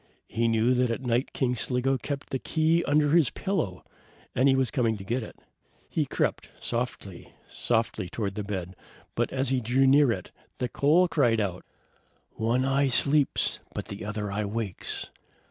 He knew that at night King Sligo kept the key under his pillow, and he was coming to get it. He crept softly, softly, toward the bed, but as he drew near it, the coal cried out: "One eye sleeps, but the other eye wakes!